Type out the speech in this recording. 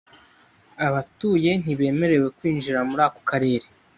Abatuye ntibemerewe kwinjira muri ako karere.